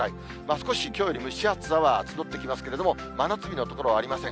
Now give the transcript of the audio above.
少しきょうより蒸し暑さは募ってきますけれども、真夏日の所はありません。